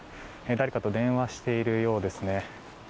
誰かと電話しているようですね。